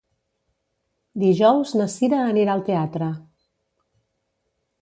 Dijous na Cira anirà al teatre.